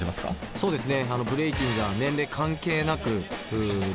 そうですね。